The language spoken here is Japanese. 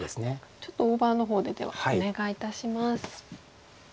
ちょっと大盤の方でではお願いいたします。